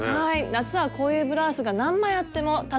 夏はこういうブラウスが何枚あっても助かりますね。